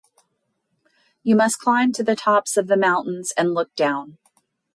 You must climb to the tops of mountains and look down.